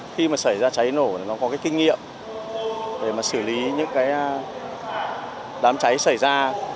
khi mà xảy ra cháy nổ nó có cái kinh nghiệm để mà xử lý những cái đám cháy xảy ra